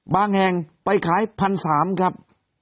แห่งไปขาย๑๓๐๐ครับ